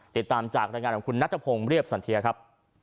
ติดตามจากรายงานของคุณนัทพงศ์เรียบสันเทียครับ